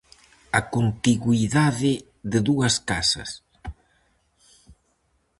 A contigüidade de dúas casas.